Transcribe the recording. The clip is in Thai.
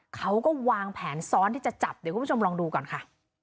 เขาก็วางแผนซ้อนที่จะจับเดี๋ยวคุณผู้ชมลองดูก่อนค่ะ